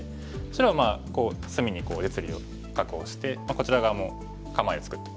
白は隅に実利を確保してこちら側も構えを作ってますね。